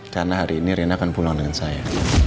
karena hari ini reina akan pulang dengan saya